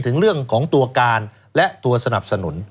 ถึงเรื่องของตัวการและตัวสนับสนุน